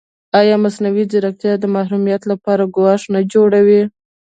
ایا مصنوعي ځیرکتیا د محرمیت لپاره ګواښ نه جوړوي؟